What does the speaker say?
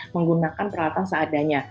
menggunakan peralatan seadanya